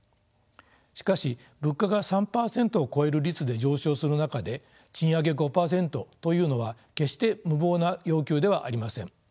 しかし物価が３％を超える率で上昇する中で賃上げ５％というのは決して無謀な要求ではありません。